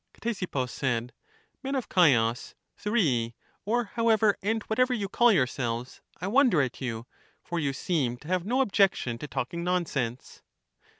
Ctesippus said : Men of Chios, Thurii, or however and whatever you call yourselves, I wonder at you, for you seem to have no objection to talking nonsense.